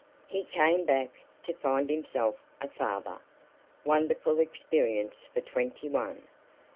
He came back to find himself a father. Wonderful experience for twenty one!